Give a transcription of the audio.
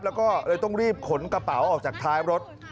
แล้วก็เลยต้องรีบขนกระเป๋าออกจากท้ายรถ